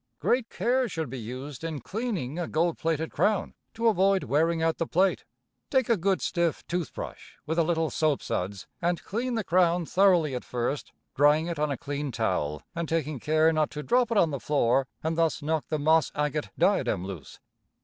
Great care should be used in cleaning a gold plated crown, to avoid wearing out the plate. Take a good stiff tooth brush, with a little soapsuds, and clean the crown thoroughly at first, drying it on a clean towel and taking care not to drop it on the floor and thus knock the moss agate diadem loose.